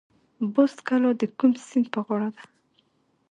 بست کلا د کوم سیند په غاړه ده؟